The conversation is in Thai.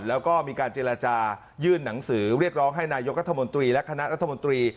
แล้วก็มีการเจรจายื่นหนังสือเรียกร้องให้นายกรัฐมนตรีและคณะรัฐมนตรี